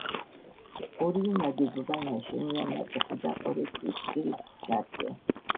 ორივე ნაგებობა ნაშენია ნატეხი და ყორე ქვით, კირის ხსნარზე.